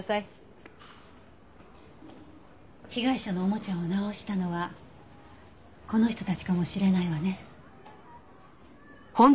被害者のおもちゃを直したのはこの人たちかもしれないわね。